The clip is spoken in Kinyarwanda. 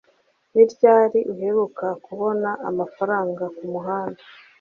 ni ryari uheruka kubona amafaranga kumuhanda